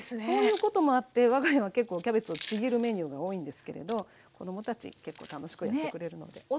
そういうこともあって我が家は結構キャベツをちぎるメニューが多いんですけれど子どもたち結構楽しくやってくれるので。